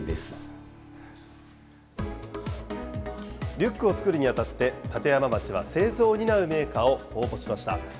リュックを作るにあたって、立山町は製造を担うメーカーを公募しました。